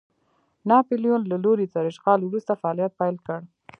ناپلیون له لوري تر اشغال وروسته فعالیت پیل کړ.